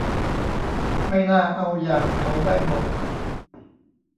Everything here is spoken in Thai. ไม่น่าเอาอย่างเขาได้หมด